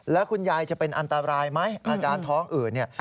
แล้วคุณยายจะเป็นอันตรายไหมอาการท้องอื่นเนี่ย